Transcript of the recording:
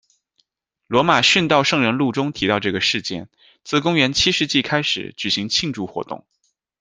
罗马殉道圣人录中提到这个事件，自公元七世纪开始举行庆祝活动。